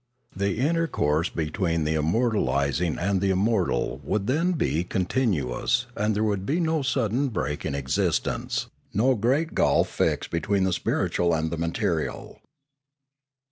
The intercourse between the immortalising and the immortal would then be con tinuous and there would be no sudden break in 484 Limanora existence, no great gulf fixed between the spiritual and the material.